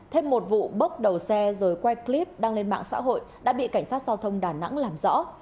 thêm một vụ bốc đầu xe rồi quay clip đăng lên mạng xã hội đã bị cảnh sát giao thông đà nẵng làm rõ